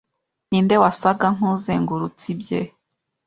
Ninde wasaga nkuzengurutse ibye